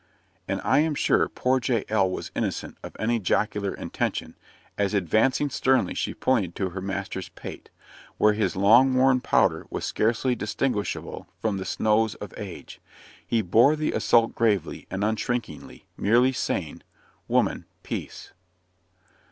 And I am sure poor Jael was innocent of any jocular intention, as advancing sternly she pointed to her master's pate, where his long worn powder was scarcely distinguishable from the snows of age. He bore the assault gravely and unshrinkingly, merely saying, "Woman, peace!"